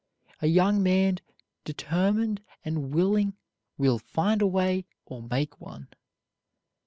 A young man determined and willing will find a way or make one.